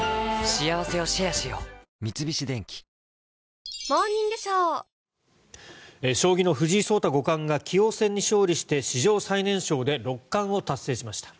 三菱電機将棋の藤井聡太五冠が棋王戦に勝利して史上最年少で六冠を達成しました。